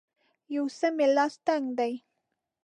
یو څه مې لاس تنګ دی